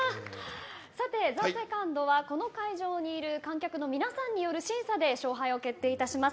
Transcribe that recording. さて、ＴＨＥＳＥＣＯＮＤはこの会場にいる観客の皆さんによる審査で勝敗を決定いたします。